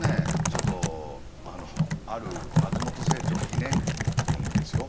ちょっとある松本清張記念館ですよ。